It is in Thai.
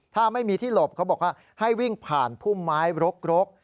ถ้าไม่มีที่หลบเขาบอกว่าให้วิ่งผ่านพุ่มไม้รก